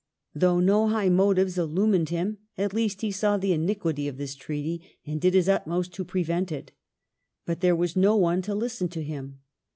Though no high motives illumined him, at least he saw the iniquity of this treaty, and did his utmost to prevent it. But there was no one to listen to him.